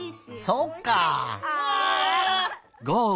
そっか。